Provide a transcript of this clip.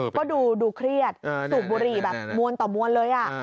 ก็ดูเครียดสูบบุหรี่แบบมวลต่อมวลเลย